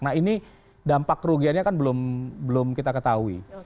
nah ini dampak kerugiannya kan belum kita ketahui